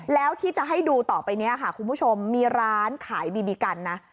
แล้วที่จะให้ดูต่อไปนี้ค่ะคุณผู้ชมมีร้านขายบีบีกันนะ